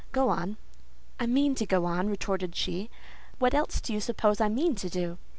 Go on." "I mean to go on," retorted she; "what else do you suppose I mean to do?"